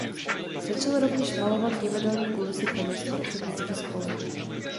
Začal rovněž malovat divadelní kulisy pro místní ochotnický spolek.